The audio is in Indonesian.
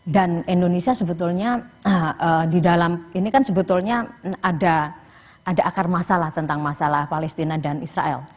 indonesia sebetulnya di dalam ini kan sebetulnya ada akar masalah tentang masalah palestina dan israel